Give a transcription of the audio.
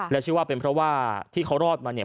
และชื่อว่าเป็นเพราะว่าที่เขารอดมาเนี่ย